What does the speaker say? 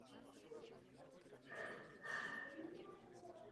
Tvrdím, že nadace odborného vzdělávání není nezbytnou, dokonce bude kontraproduktivní.